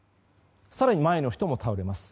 更に前の人も倒れます。